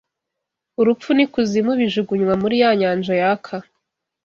Urupfu n’ikuzimu bijugunywa muri ya nyanja yaka